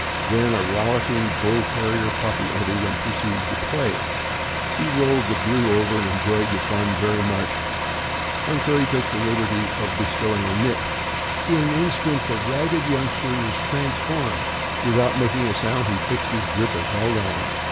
Then a rollicking Bull Terrier puppy entered and proceeded to play. He rolled the blue over, and enjoyed the fun very much until he took the liberty of bestowing a nip. In an instant the ragged youngster was transformed. Without making a sound, he fixed his grip and held on.